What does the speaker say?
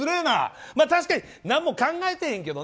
確かに、何も考えてないけどね。